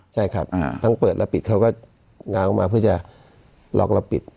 ใช่ครับทั้งเปิดและปิดเขาก็งานเข้ามาเพื่อล็อกและปิด